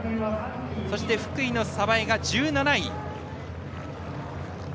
そして福井の鯖江が１７位。